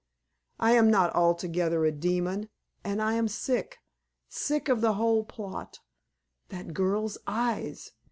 I am not altogether a demon, and I am sick sick of the whole plot. That girl's eyes!